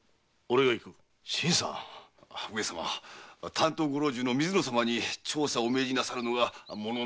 担当ご老中の水野様に調査をお命じなさるのがものの順序かと。